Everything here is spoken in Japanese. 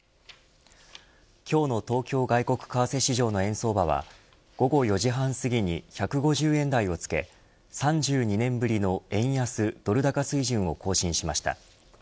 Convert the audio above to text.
今日の東京外国為替市場の円相場は午後４時半すぎに１５０円台をつけ３２年ぶりの円安ドル高水準を更新しました。